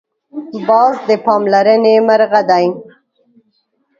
باز د پاملرنې مرغه دی